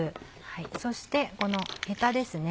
そしてこのヘタですね。